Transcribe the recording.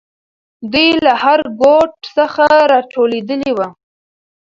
دوی له هر ګوټ څخه راټولېدلې وو.